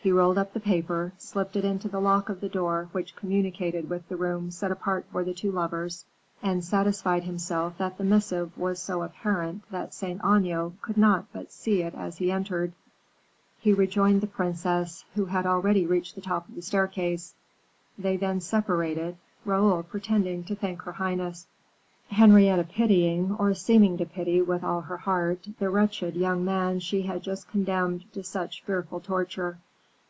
He rolled up the paper, slipped it into the lock of the door which communicated with the room set apart for the two lovers, and satisfied himself that the missive was so apparent that Saint Aignan could not but see it as he entered; he rejoined the princess, who had already reached the top of the staircase. They then separated, Raoul pretending to thank her highness; Henrietta pitying, or seeming to pity, with all her heart, the wretched young man she had just condemned to such fearful torture.